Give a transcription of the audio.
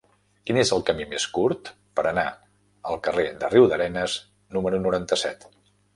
Quin és el camí més curt per anar al carrer de Riudarenes número noranta-set?